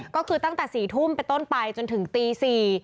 ก็คือตั้งแต่๔ทุ่มไปต้นไปจนถึงตี๔